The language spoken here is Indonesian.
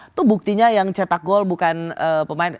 itu buktinya yang cetak gol bukan pemain